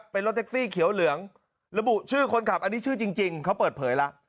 เป็นรถแท็กซี่เขียวเหลืองระบุชื่อคนขับอันนี้ชื่อจริงเขาเปิดเผยแล้ว